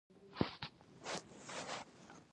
هغه وویل هو سمه ده چې ته وایې وبه یې څښم.